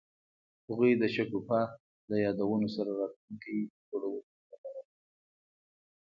هغوی د شګوفه له یادونو سره راتلونکی جوړولو هیله لرله.